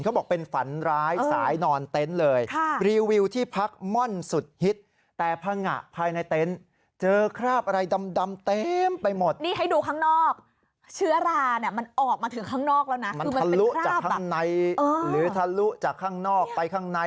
ออกมาถึงข้างนอกแล้วนะคือมันทะลุจากข้างในหรือทะลุจากข้างนอกไปข้างใน